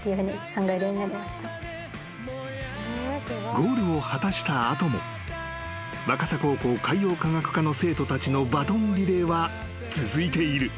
［ゴールを果たした後も若狭高校海洋科学科の生徒たちのバトンリレーは続いている］